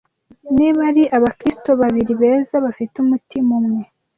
niba ari abakristo babiri beza bafite umutima umwe